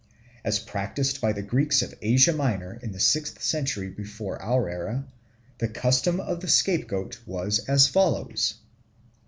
As practised by the Greeks of Asia Minor in the sixth century before our era, the custom of the scapegoat was as follows.